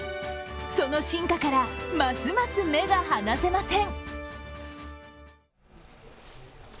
その進化からますます目が離せません。